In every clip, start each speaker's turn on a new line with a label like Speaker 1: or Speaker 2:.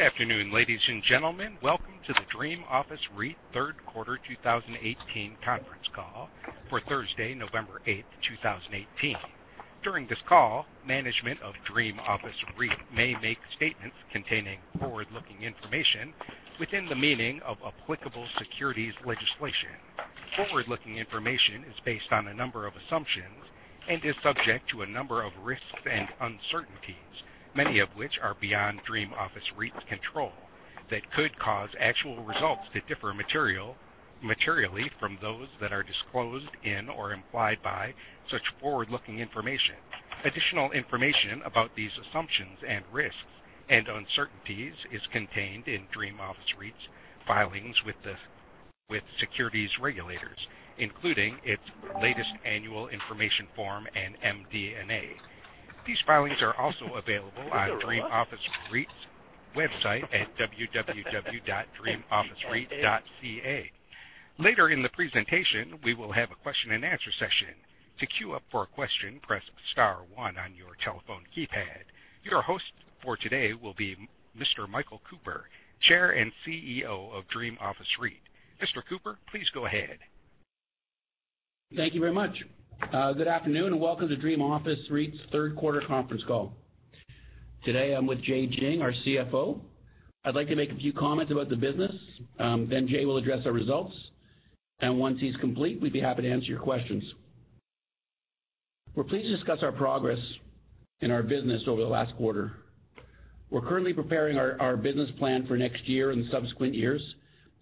Speaker 1: Good afternoon, ladies and gentlemen. Welcome to the Dream Office REIT Third Quarter 2018 conference call for Thursday, November 8th, 2018. During this call, management of Dream Office REIT may make statements containing forward-looking information within the meaning of applicable securities legislation. Forward-looking information is based on a number of assumptions and is subject to a number of risks and uncertainties, many of which are beyond Dream Office REIT's control, that could cause actual results to differ materially from those that are disclosed in or implied by such forward-looking information. Additional information about these assumptions and risks and uncertainties is contained in Dream Office REIT's filings with securities regulators, including its latest annual information form and MD&A. These filings are also available on Dream Office REIT's website at www.dreamofficereit.ca. Later in the presentation, we will have a question and answer session. To queue up for a question, press *1 on your telephone keypad. Your host for today will be Mr. Michael Cooper, Chair and CEO of Dream Office REIT. Mr. Cooper, please go ahead.
Speaker 2: Thank you very much. Good afternoon, and welcome to Dream Office REIT's third quarter conference call. Today, I'm with Jay Jiang, our CFO. I'd like to make a few comments about the business. Jay will address our results, and once he's complete, we'd be happy to answer your questions. We're pleased to discuss our progress in our business over the last quarter. We're currently preparing our business plan for next year and subsequent years,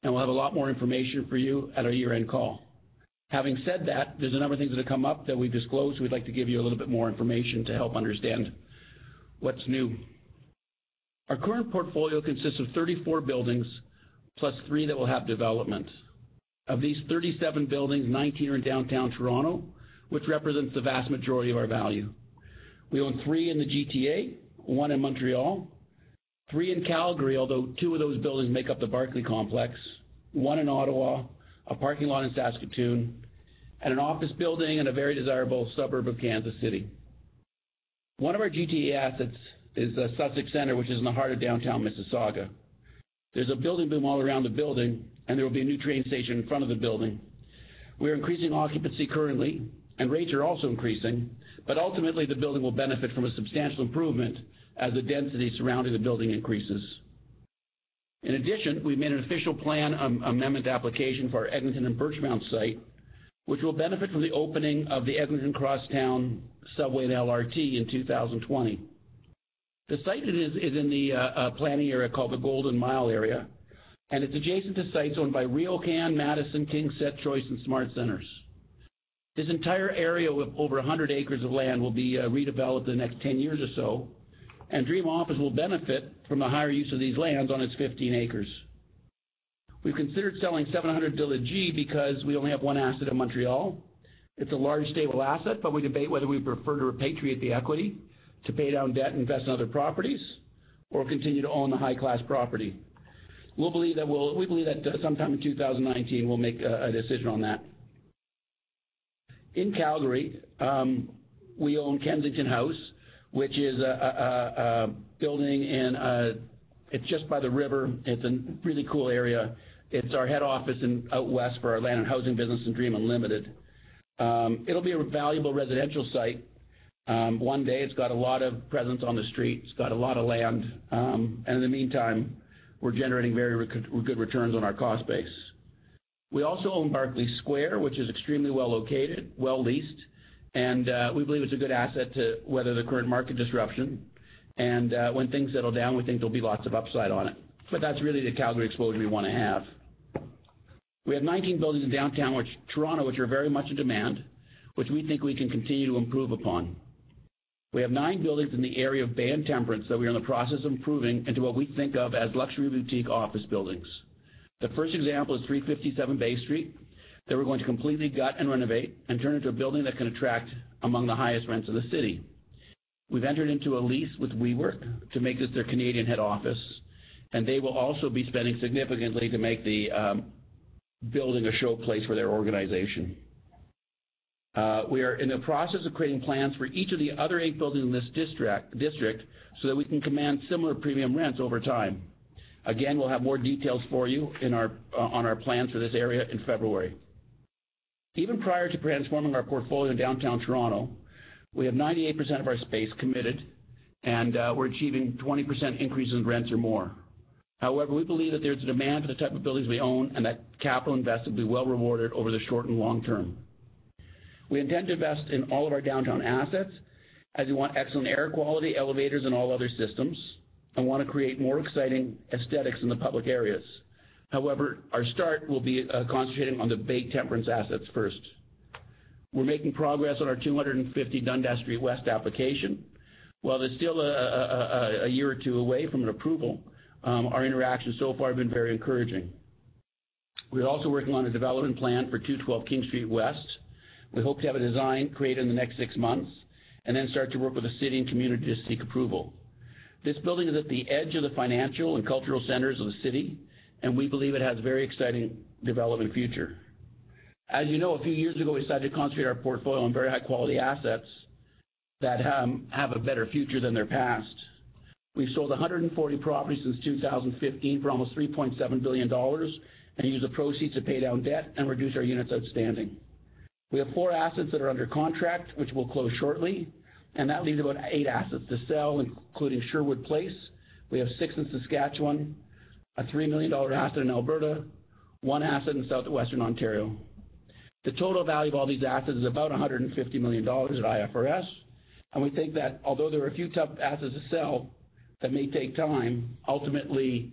Speaker 2: and we'll have a lot more information for you at our year-end call. Having said that, there's a number of things that have come up that we've disclosed, we'd like to give you a little bit more information to help understand what's new. Our current portfolio consists of 34 buildings, plus three that will have development. Of these 37 buildings, 19 are in downtown Toronto, which represents the vast majority of our value. We own three in the GTA, one in Montreal, three in Calgary, although two of those buildings make up the Barclay complex, one in Ottawa, a parking lot in Saskatoon, and an office building in a very desirable suburb of Kansas City. One of our GTA assets is the Sussex Centre, which is in the heart of downtown Mississauga. There's a building boom all around the building, and there will be a new train station in front of the building. We are increasing occupancy currently, and rates are also increasing, but ultimately the building will benefit from a substantial improvement as the density surrounding the building increases. In addition, we've made an official plan amendment application for our Eglinton and Birchmount site, which will benefit from the opening of the Eglinton Crosstown Subway and LRT in 2020. The site is in the planning area called the Golden Mile area, and it's adjacent to sites owned by RioCan, Madison, KingSett Capital and Choice Properties REIT, and SmartCentres. This entire area with over 100 acres of land will be redeveloped in the next 10 years or so, and Dream Office will benefit from the higher use of these lands on its 15 acres. We've considered selling 700 de la Gauchetière because we only have one asset in Montreal. It's a large stable asset, but we debate whether we prefer to repatriate the equity to pay down debt, invest in other properties, or continue to own the high-class property. We believe that sometime in 2019, we'll make a decision on that. In Calgary, we own Kensington House, which is a building, it's just by the river. It's a really cool area. It's our head office out West for our land and housing business in Dream Unlimited. It'll be a valuable residential site one day. It's got a lot of presence on the street. It's got a lot of land. In the meantime, we're generating very good returns on our cost base. We also own Barclay Square, which is extremely well located, well leased, and we believe it's a good asset to weather the current market disruption. When things settle down, we think there'll be lots of upside on it, but that's really the Calgary exposure we want to have. We have 19 buildings in downtown Toronto, which are very much in demand, which we think we can continue to improve upon. We have nine buildings in the area of Bay and Temperance that we are in the process of improving into what we think of as luxury boutique office buildings. The first example is 357 Bay Street, that we're going to completely gut and renovate and turn into a building that can attract among the highest rents in the city. We've entered into a lease with WeWork to make this their Canadian head office, and they will also be spending significantly to make the building a showcase for their organization. We are in the process of creating plans for each of the other eight buildings in this district so that we can command similar premium rents over time. Again, we'll have more details for you on our plans for this area in February. Even prior to transforming our portfolio in downtown Toronto, we have 98% of our space committed, and we're achieving 20% increase in rents or more. However, we believe that there's a demand for the type of buildings we own and that capital invested will be well rewarded over the short and long term. We intend to invest in all of our downtown assets, as we want excellent air quality, elevators, and all other systems, and want to create more exciting aesthetics in the public areas. However, our start will be concentrating on the Bay Temperance assets first. We're making progress on our 250 Dundas Street West application. While it's still a year or two away from an approval, our interactions so far have been very encouraging. We're also working on a development plan for 212 King Street West. We hope to have a design created in the next six months and then start to work with the city and community to seek approval. This building is at the edge of the financial and cultural centers of the city. We believe it has a very exciting development future. As you know, a few years ago, we decided to concentrate our portfolio on very high-quality assets that have a better future than their past. We've sold 140 properties since 2015 for almost 3.7 billion dollars and used the proceeds to pay down debt and reduce our units outstanding. We have four assets that are under contract, which will close shortly, and that leaves about eight assets to sell, including Sherwood Place. We have six in Saskatchewan, a 3 million dollar asset in Alberta, one asset in Southwestern Ontario. The total value of all these assets is about 150 million dollars at IFRS. We think that although there are a few tough assets to sell that may take time, ultimately,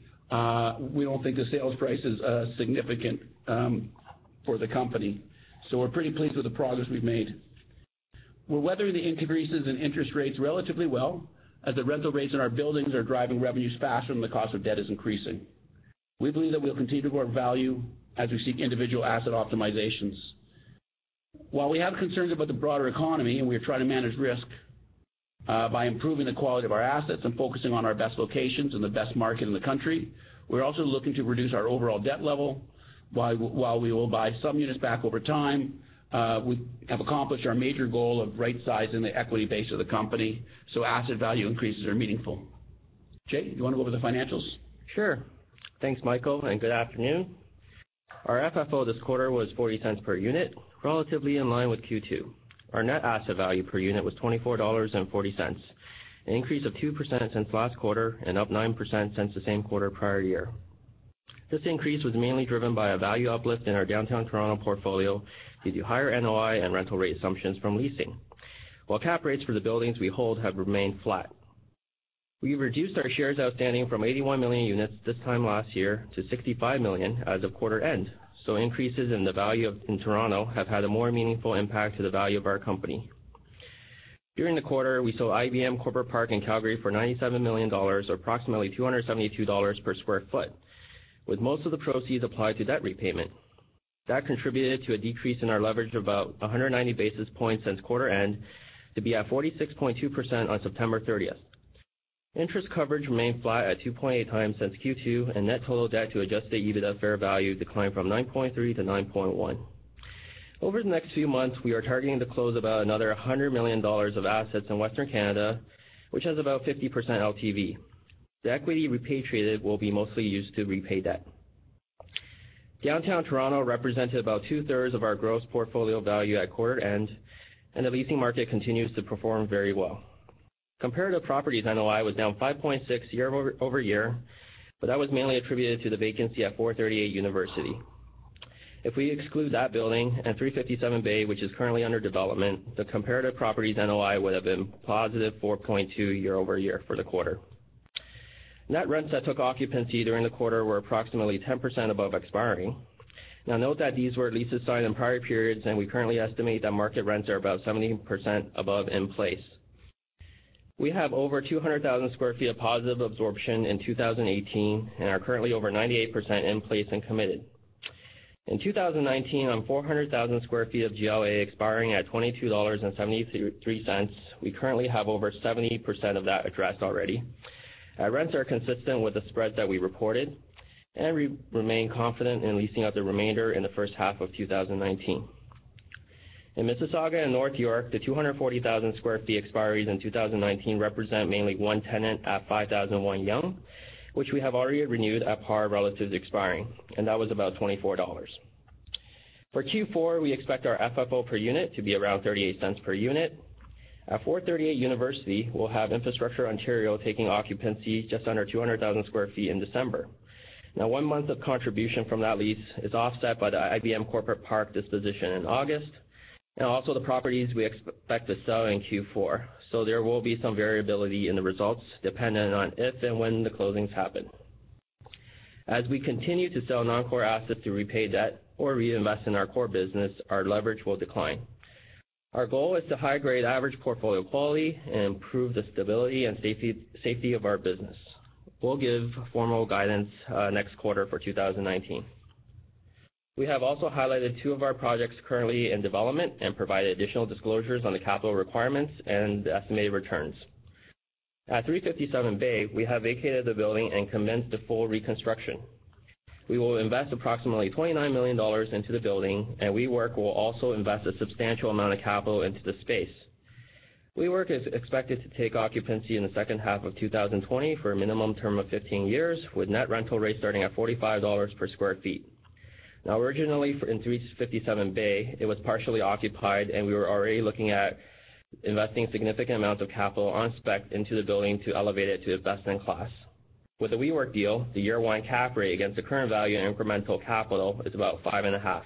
Speaker 2: we don't think the sales price is significant for the company. We're pretty pleased with the progress we've made. We're weathering the increases in interest rates relatively well, as the rental rates in our buildings are driving revenues faster than the cost of debt is increasing. We believe that we'll continue to grow our value as we seek individual asset optimizations. While we have concerns about the broader economy, we are trying to manage risk by improving the quality of our assets and focusing on our best locations in the best market in the country, we're also looking to reduce our overall debt level. While we will buy some units back over time, we have accomplished our major goal of rightsizing the equity base of the company. Asset value increases are meaningful. Jay, do you want to go over the financials?
Speaker 3: Sure. Thanks, Michael. Good afternoon. Our FFO this quarter was 0.40 per unit, relatively in line with Q2. Our net asset value per unit was 24.40 dollars, an increase of 2% since last quarter and up 9% since the same quarter prior year. This increase was mainly driven by a value uplift in our downtown Toronto portfolio due to higher NOI and rental rate assumptions from leasing, while cap rates for the buildings we hold have remained flat. We've reduced our shares outstanding from 81 million units this time last year to 65 million as of quarter end. Increases in the value in Toronto have had a more meaningful impact to the value of our company. During the quarter, we sold IBM Corporate Park in Calgary for 97 million dollars, or approximately 272 dollars per sq ft, with most of the proceeds applied to debt repayment. That contributed to a decrease in our leverage of about 190 basis points since quarter end to be at 46.2% on September 30th. Interest coverage remained flat at 2.8 times since Q2 and net total debt to adjusted EBITDA fair value declined from 9.3 to 9.1. Over the next few months, we are targeting to close about another 100 million dollars of assets in Western Canada, which has about 50% LTV. The equity repatriated will be mostly used to repay debt. Downtown Toronto represented about two-thirds of our gross portfolio value at quarter end. The leasing market continues to perform very well. Comparative properties NOI was down 5.6% year-over-year. That was mainly attributed to the vacancy at 438 University. If we exclude that building and 357 Bay, which is currently under development, the comparative properties NOI would've been positive 4.2% year-over-year for the quarter. Net rents that took occupancy during the quarter were approximately 10% above expiring. Now note that these were leases signed in prior periods. We currently estimate that market rents are about 17% above in place. We have over 200,000 square feet of positive absorption in 2018 and are currently over 98% in place and committed. In 2019, on 400,000 square feet of GLA expiring at 22.73 dollars, we currently have over 70% of that addressed already. Our rents are consistent with the spreads that we reported. We remain confident in leasing out the remainder in the first half of 2019. In Mississauga and North York, the 240,000 square feet expiries in 2019 represent mainly one tenant at 5001 Yonge, which we have already renewed at par relative to expiring. That was about 24 dollars. For Q4, we expect our FFO per unit to be around 0.38 per unit. At 438 University, we'll have Infrastructure Ontario taking occupancy just under 200,000 square feet in December. Now, one month of contribution from that lease is offset by the IBM Corporate Park disposition in August and also the properties we expect to sell in Q4. There will be some variability in the results dependent on if and when the closings happen. As we continue to sell non-core assets to repay debt or reinvest in our core business, our leverage will decline. Our goal is to high-grade average portfolio quality and improve the stability and safety of our business. We'll give formal guidance next quarter for 2019. We have also highlighted two of our projects currently in development and provided additional disclosures on the capital requirements and the estimated returns. At 357 Bay, we have vacated the building and commenced the full reconstruction. We will invest approximately 29 million dollars into the building. WeWork will also invest a substantial amount of capital into the space. WeWork is expected to take occupancy in the second half of 2020 for a minimum term of 15 years, with net rental rates starting at 45 dollars per square feet. Now, originally, in 357 Bay, it was partially occupied. We were already looking at investing significant amounts of capital on spec into the building to elevate it to best-in-class. With the WeWork deal, the year one cap rate against the current value and incremental capital is about five and a half.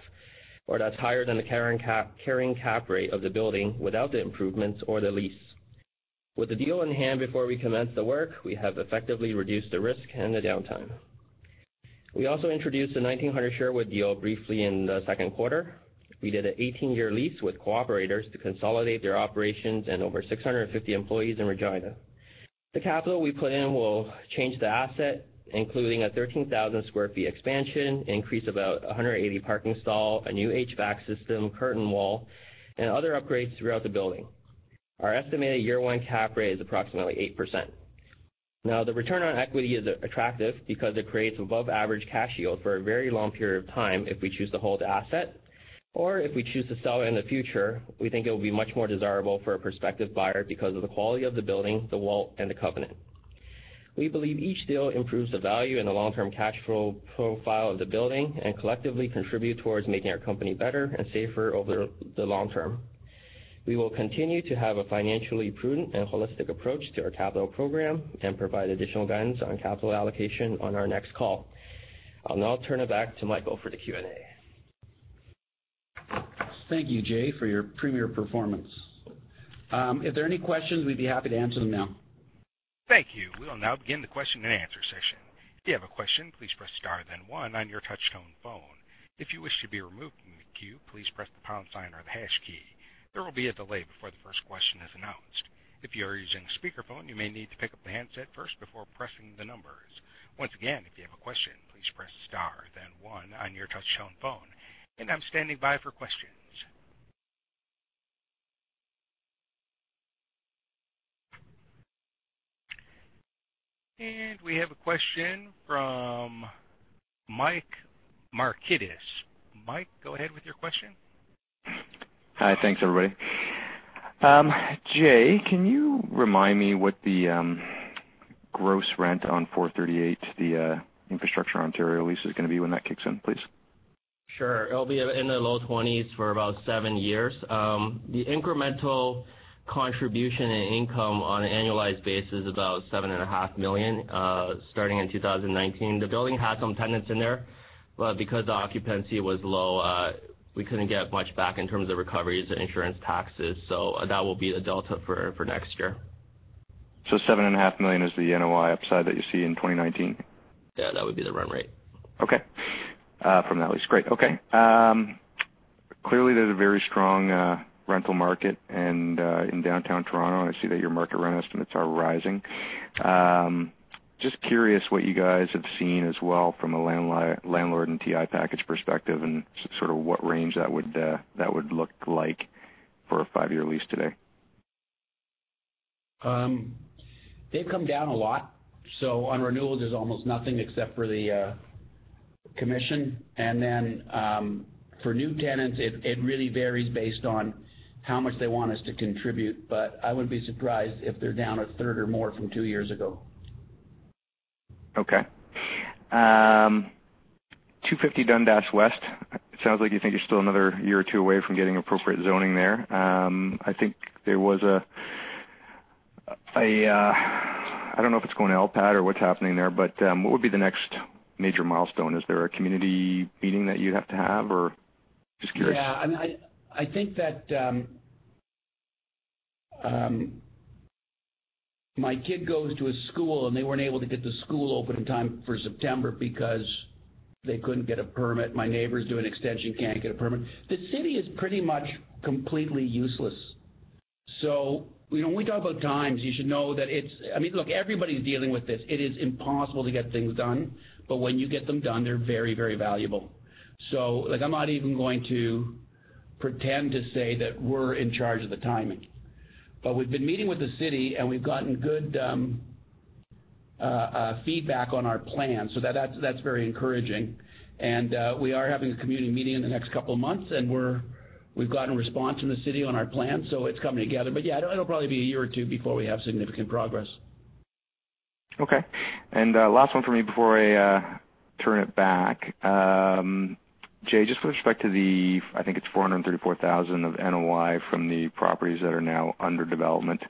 Speaker 3: That's higher than the carrying cap rate of the building without the improvements or the lease. With the deal in hand before we commenced the work, we have effectively reduced the risk and the downtime. We also introduced the 1900 Sherwood deal briefly in the second quarter. We did an 18-year lease with Co-operators to consolidate their operations and over 650 employees in Regina. The capital we put in will change the asset, including a 13,000 sq ft expansion, increase of 180 parking stall, a new HVAC system, curtain wall, and other upgrades throughout the building. Our estimated year one cap rate is approximately 8%. The return on equity is attractive because it creates above-average cash yield for a very long period of time if we choose to hold the asset, or if we choose to sell it in the future, we think it will be much more desirable for a prospective buyer because of the quality of the building, the wallet, and the covenant. We believe each deal improves the value and the long-term cash flow profile of the building and collectively contribute towards making our company better and safer over the long term. We will continue to have a financially prudent and holistic approach to our capital program and provide additional guidance on capital allocation on our next call. I'll now turn it back to Michael for the Q&A.
Speaker 2: Thank you, Jay, for your premier performance. If there are any questions, we'd be happy to answer them now.
Speaker 1: Thank you. We will now begin the question and answer session. If you have a question, please press star then one on your touch-tone phone. If you wish to be removed from the queue, please press the pound sign or the hash key. There will be a delay before the first question is announced. If you are using a speakerphone, you may need to pick up the handset first before pressing the numbers. Once again, if you have a question, please press star then one on your touch-tone phone. I'm standing by for questions. We have a question from Michael Markidis. Mike, go ahead with your question.
Speaker 4: Hi. Thanks, everybody. Jay, can you remind me what the gross rent on 438, the Infrastructure Ontario lease is going to be when that kicks in, please?
Speaker 3: Sure. It'll be in the low twenties for about seven years. The incremental contribution and income on an annualized basis is about 7.5 million, starting in 2019. The building had some tenants in there, but because the occupancy was low, we couldn't get much back in terms of recoveries and insurance taxes, that will be the delta for next year.
Speaker 4: 7.5 million is the NOI upside that you see in 2019?
Speaker 3: Yeah, that would be the run rate.
Speaker 4: Okay. From that lease. Great. Okay. Clearly, there's a very strong rental market in downtown Toronto, and I see that your market run estimates are rising. Just curious what you guys have seen as well from a landlord and TI package perspective and sort of what range that would look like for a five-year lease today.
Speaker 2: They've come down a lot. On renewals, there's almost nothing except for the commission. For new tenants, it really varies based on how much they want us to contribute, but I wouldn't be surprised if they're down a third or more from two years ago.
Speaker 4: Okay. 250 Dundas West, it sounds like you think you're still another year or two away from getting appropriate zoning there. I don't know if it's going to LPAT or what's happening there. What would be the next major milestone? Is there a community meeting that you have to have? Just curious.
Speaker 2: My kid goes to a school, and they weren't able to get the school open in time for September because they couldn't get a permit. My neighbors do an extension, can't get a permit. The city is pretty much completely useless. When we talk about times, you should know that it's Look, everybody's dealing with this. It is impossible to get things done. When you get them done, they're very, very valuable. I'm not even going to pretend to say that we're in charge of the timing. We've been meeting with the city, and we've gotten good feedback on our plan. That's very encouraging. We are having a community meeting in the next couple of months, and we've gotten a response from the city on our plan, so it's coming together. Yeah, it'll probably be a year or two before we have significant progress.
Speaker 4: Okay. Last one from me before I turn it back. Jay, just with respect to the, I think it's 434,000 of NOI from the properties that are now under development.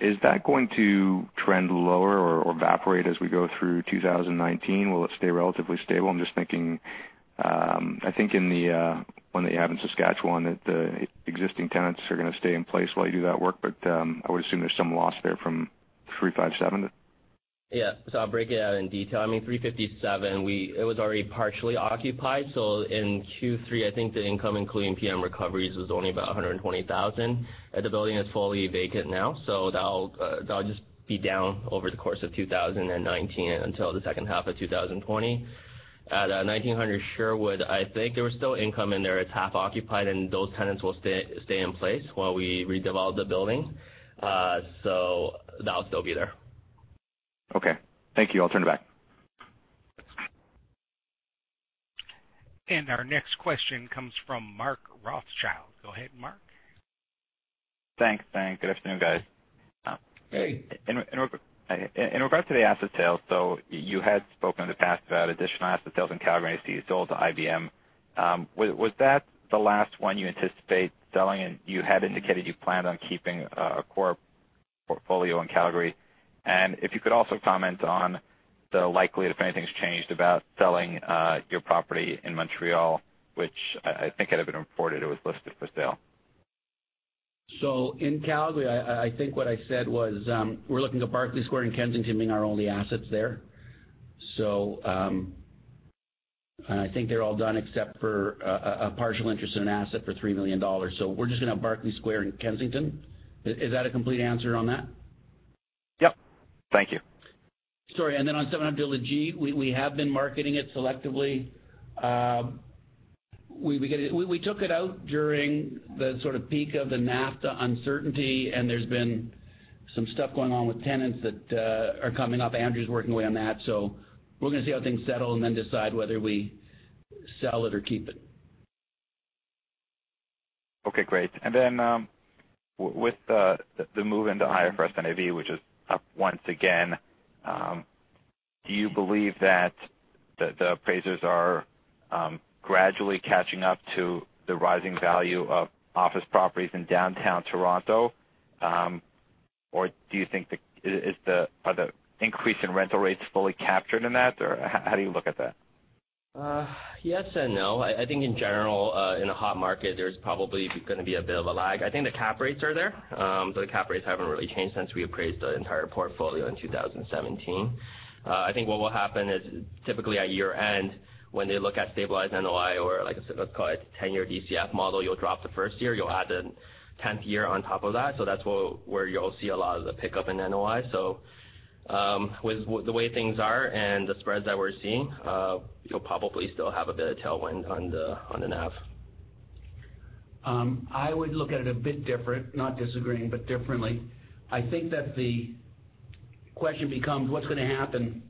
Speaker 4: Is that going to trend lower or evaporate as we go through 2019? Will it stay relatively stable? I'm just thinking, I think in the one that you have in Saskatchewan, that the existing tenants are going to stay in place while you do that work, but I would assume there's some loss there from 357.
Speaker 3: Yeah. I'll break it out in detail. 357, it was already partially occupied. In Q3, I think the income, including PM recoveries, was only about 120,000. The building is fully vacant now, so that'll just be down over the course of 2019 until the second half of 2020. At 1900 Sherwood, I think there was still income in there. It's half occupied, and those tenants will stay in place while we redevelop the building. That'll still be there.
Speaker 4: Okay. Thank you. I'll turn it back.
Speaker 1: Our next question comes from Mark Rothschild. Go ahead, Mark.
Speaker 5: Thanks. Good afternoon, guys.
Speaker 2: Hey.
Speaker 5: In regard to the asset sales, so you had spoken in the past about additional asset sales in Calgary and I see you sold to IBM. Was that the last one you anticipate selling? You had indicated you planned on keeping a core portfolio in Calgary. If you could also comment on the likelihood, if anything's changed, about selling your property in Montreal, which I think it had been reported it was listed for sale.
Speaker 2: In Calgary, I think what I said was, we're looking to Barclay Centre and Kensington being our only assets there. I think they're all done except for a partial interest in an asset for 3 million dollars. We're just going to have Barclay Centre and Kensington. Is that a complete answer on that?
Speaker 5: Yep. Thank you.
Speaker 2: Sorry. Then on 700 de la G, we have been marketing it selectively. We took it out during the peak of the NAFTA uncertainty, and there's been some stuff going on with tenants that are coming up. Andrew's working away on that. We're going to see how things settle and then decide whether we sell it or keep it.
Speaker 5: Okay, great. Then, with the move into higher price NAV, which is up once again, do you believe that the appraisers are gradually catching up to the rising value of office properties in downtown Toronto? Do you think the increase in rental rates fully captured in that, or how do you look at that?
Speaker 3: Yes and no. I think in general, in a hot market, there's probably going to be a bit of a lag. I think the cap rates are there. The cap rates haven't really changed since we appraised the entire portfolio in 2017. I think what will happen is typically at year-end, when they look at stabilized NOI or let's call it 10-year DCF model, you'll drop the first year, you'll add the 10th year on top of that. That's where you'll see a lot of the pickup in NOI. With the way things are and the spreads that we're seeing, you'll probably still have a bit of tailwind on the NAV.
Speaker 2: I would look at it a bit different. Not disagreeing, but differently. I think that the question becomes what's going to happen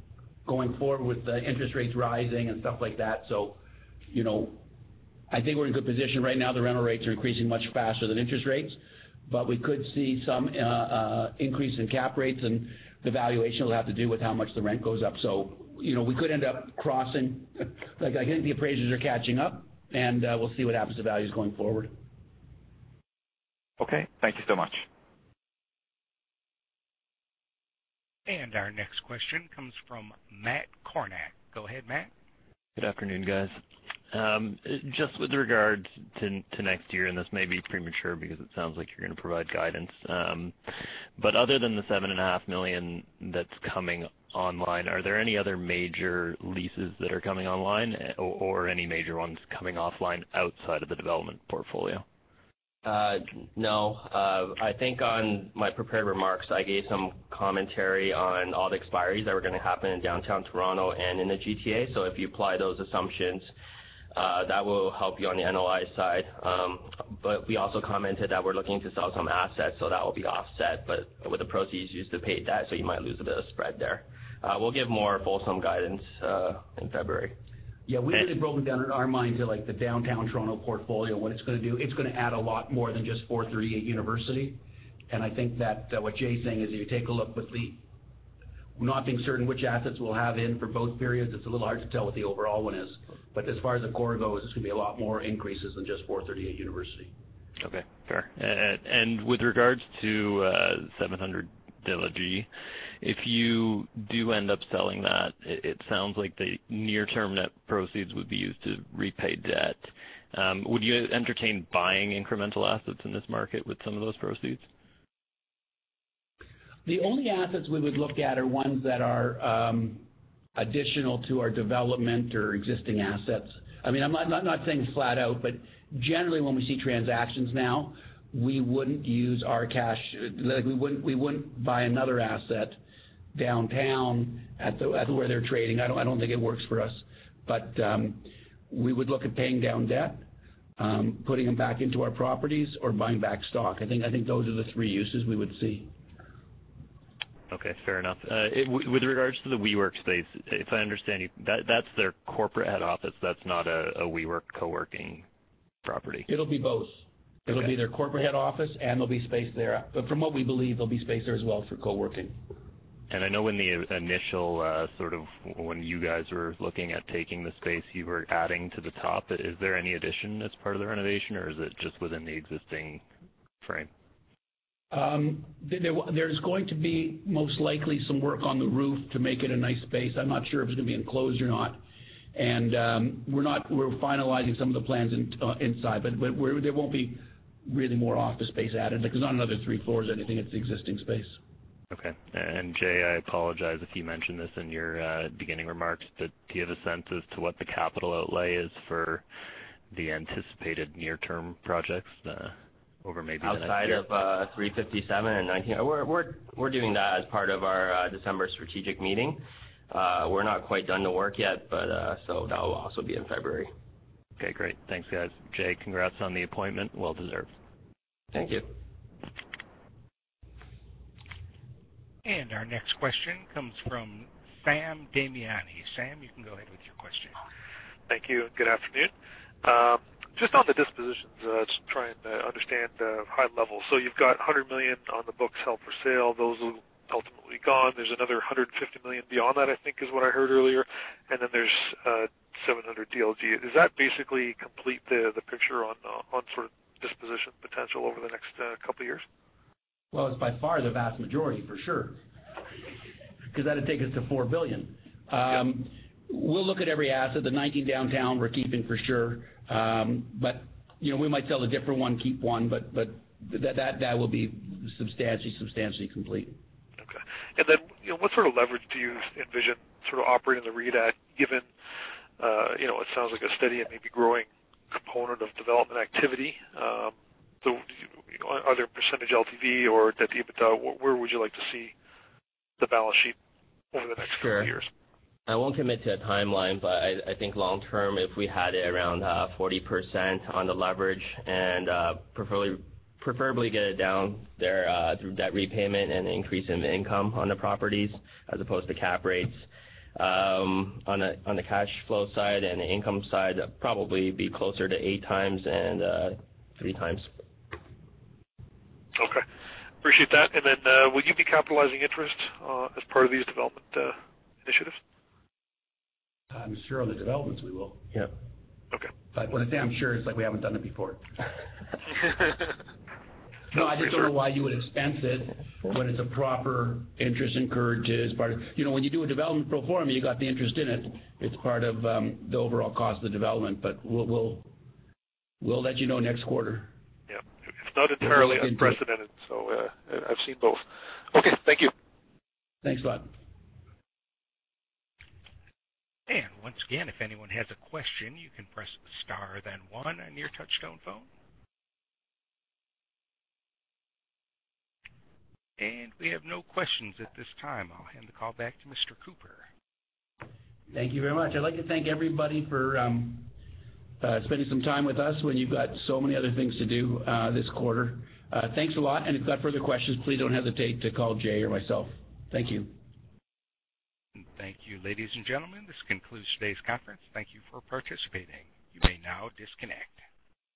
Speaker 2: going forward with the interest rates rising and stuff like that. I think we're in a good position right now. The rental rates are increasing much faster than interest rates, but we could see some increase in cap rates, and the valuation will have to do with how much the rent goes up. We could end up crossing. I think the appraisers are catching up, and we'll see what happens to values going forward.
Speaker 5: Okay. Thank you so much.
Speaker 1: Our next question comes from Matt Kornack. Go ahead, Matt.
Speaker 6: Good afternoon, guys. Just with regards to next year, this may be premature because it sounds like you're going to provide guidance. Other than the 7.5 million that's coming online, are there any other major leases that are coming online or any major ones coming offline outside of the development portfolio?
Speaker 3: No. I think on my prepared remarks, I gave some commentary on all the expiries that were going to happen in downtown Toronto and in the GTA. If you apply those assumptions, that will help you on the NOI side. We also commented that we're looking to sell some assets, so that will be offset, but with the proceeds used to pay debt, so you might lose a bit of spread there. We'll give more fulsome guidance in February.
Speaker 2: Yeah. We had it broken down in our mind to the downtown Toronto portfolio. What it's going to do, it's going to add a lot more than just 438 University. I think that what Jay is saying is if you take a look, with the not being certain which assets we'll have in for both periods, it's a little hard to tell what the overall one is. As far as the core goes, it's going to be a lot more increases than just 438 University.
Speaker 6: Okay, fair. With regards to 700 DLG, if you do end up selling that, it sounds like the near-term net proceeds would be used to repay debt. Would you entertain buying incremental assets in this market with some of those proceeds?
Speaker 2: The only assets we would look at are ones that are additional to our development or existing assets. I'm not saying flat out, generally when we see transactions now, we wouldn't use our cash. We wouldn't buy another asset downtown at where they're trading. I don't think it works for us. We would look at paying down debt, putting them back into our properties or buying back stock. I think those are the three uses we would see.
Speaker 6: Okay, fair enough. With regards to the WeWork space, if I understand you, that's their corporate head office. That's not a WeWork co-working property.
Speaker 2: It'll be both.
Speaker 6: Okay.
Speaker 2: It'll be their corporate head office, and there'll be space there. From what we believe, there'll be space there as well for co-working.
Speaker 6: I know in the initial, when you guys were looking at taking the space you were adding to the top, is there any addition as part of the renovation, or is it just within the existing frame?
Speaker 2: There's going to be most likely some work on the roof to make it a nice space. I'm not sure if it's going to be enclosed or not. We're finalizing some of the plans inside. There won't be really more office space added. There's not another three floors or anything. It's existing space.
Speaker 6: Okay. Jay, I apologize if you mentioned this in your beginning remarks. Do you have a sense as to what the capital outlay is for the anticipated near-term projects over maybe the next year?
Speaker 3: Outside of 357 and 19, we're doing that as part of our December strategic meeting. We're not quite done the work yet, that will also be in February.
Speaker 6: Okay, great. Thanks, guys. Jay, congrats on the appointment. Well deserved.
Speaker 3: Thank you.
Speaker 1: Our next question comes from Sam Damiani. Sam, you can go ahead with your question.
Speaker 7: Thank you. Good afternoon. Just on the dispositions, just trying to understand high level. You've got 100 million on the books held for sale. Those will ultimately gone. There's another 150 million beyond that, I think, is what I heard earlier. Then there's 700 DLG. Does that basically complete the picture on sort of disposition potential over the next couple of years?
Speaker 2: Well, it's by far the vast majority, for sure. That'd take us to 4 billion.
Speaker 7: Yeah.
Speaker 2: We'll look at every asset. The 19 downtown we're keeping for sure. We might sell a different one, keep one, but that will be substantially complete.
Speaker 7: Okay. What sort of leverage do you envision sort of operating the REIT at given it sounds like a steady and maybe growing component of development activity. Are there percentage LTV or debt EBITDA? Where would you like to see the balance sheet over the next couple years?
Speaker 3: Sure. I won't commit to a timeline, but I think long-term, if we had it around 40% on the leverage and preferably get it down there through debt repayment and increase in the income on the properties as opposed to cap rates. On the cash flow side and the income side, probably be closer to eight times and three times.
Speaker 7: Okay. Appreciate that. Will you be capitalizing interest as part of these development initiatives?
Speaker 2: I'm sure on the developments we will, yeah.
Speaker 7: Okay.
Speaker 2: When I say I'm sure, it's like we haven't done it before. No, I just don't know why you would expense it when it's a proper interest incurred to When you do a development pro forma, you got the interest in it. It's part of the overall cost of the development. We'll let you know next quarter.
Speaker 7: Yeah. It's not entirely unprecedented. I've seen both. Okay, thank you.
Speaker 2: Thanks a lot.
Speaker 1: Once again, if anyone has a question, you can press star then one on your touchtone phone. We have no questions at this time. I'll hand the call back to Mr. Cooper.
Speaker 2: Thank you very much. I'd like to thank everybody for spending some time with us when you've got so many other things to do this quarter. Thanks a lot. If you've got further questions, please don't hesitate to call Jay or myself. Thank you.
Speaker 1: Thank you. Ladies and gentlemen, this concludes today's conference. Thank you for participating. You may now disconnect.